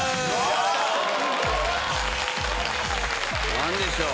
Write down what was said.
何でしょう？